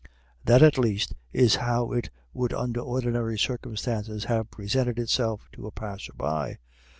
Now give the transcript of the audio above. That, at least, is how it would under ordinary circumstances have presented itself to a passer by.